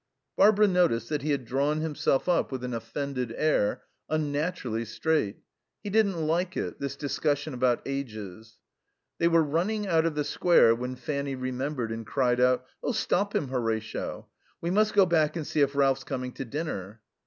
Barbara noticed that he had drawn himself up with an offended air, unnaturally straight. He didn't like it, this discussion about ages. They were running out of the Square when Fanny remembered and cried out, "Oh, stop him, Horatio. We must go back and see if Ralph's coming to dinner."